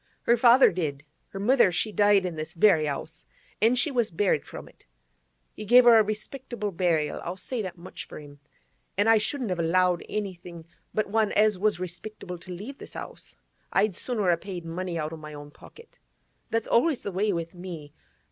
'Her father did. Her mother, she died in this very 'ouse, an' she was buried from it. He gave her a respectable burial, I'll say that much for him. An' I shouldn't have allowed anything but one as was respectable to leave this 'ouse; I'd sooner a paid money out o' my own pocket. That's always the way with me.